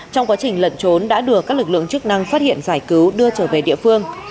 trong quá trình lận trốn đã đưa các lực lượng chức năng phát hiện giải cứu đưa trở về địa phương